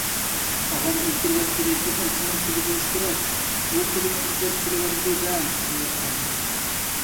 ئاغام ئۆلتۈرۈۋەتكىنى چوقۇم ئۇنىڭ قىزى بولسا كېرەك. ئۇ قىزىنى ئىزدەپ كېلىۋاتىدۇ - دە، ئەلۋەتتە!